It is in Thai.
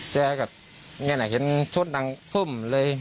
แกกับอย่างนี้นะเห็นช่วงดังเพิ่มเลย